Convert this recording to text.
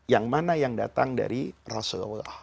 yang mana yang datang dari rasulullah